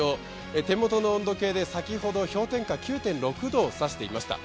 手元の温度計で先ほど氷点下９．６度を指していました。